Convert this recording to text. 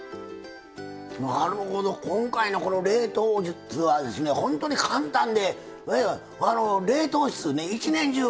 なるほど今回のこの冷凍術はほんとに簡単で冷凍室一年中